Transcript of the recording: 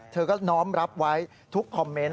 เธอก็น้อมรับไว้ทุกคอมเมนต์